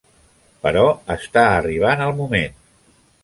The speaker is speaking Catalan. Però està arribant el moment.